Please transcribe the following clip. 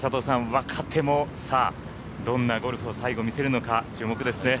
若手もどんなゴルフを最後見せるのか、注目ですね。